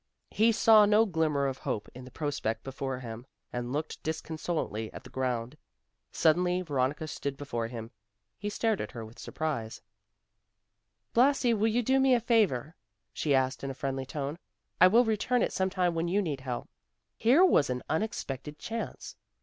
He saw no glimmer of hope in the prospect before him, and looked disconsolately at the ground. Suddenly Veronica stood before him. He stared at her with surprise. "Blasi, will you do me a favor?" she asked in a friendly tone, "I will return it sometime when you need help." Here was an unexpected chance.